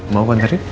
mau kan tarik